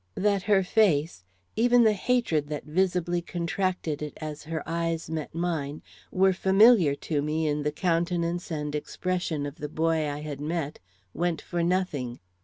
That her face, even the hatred that visibly contracted it as her eyes met mine, were familiar to me in the countenance and expression of the boy I had met, went for nothing.